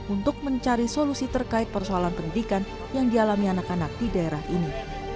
untuk mencari solusi terkait persoalan pendidikan yang dialami anak anak di daerah ini